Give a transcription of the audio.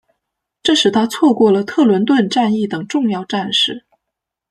这使他错过了特伦顿战役等重要战事。